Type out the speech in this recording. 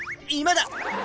今だ！